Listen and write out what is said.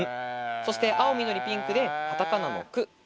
そして青緑ピンクでカタカナの「ク」。